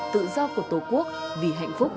tự do của tổ quốc vì hạnh phúc